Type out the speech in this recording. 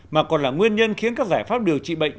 mà còn là nguyên nhân khiến các giải pháp điều trị bệnh